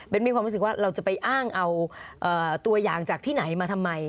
มีความรู้สึกว่าเราจะไปอ้างเอาตัวอย่างจากที่ไหนมาทำไม